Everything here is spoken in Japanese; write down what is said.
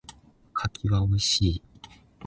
柿は美味しい。